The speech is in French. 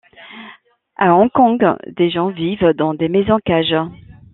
À Hong Kong, des gens vivent dans des maisons-cages.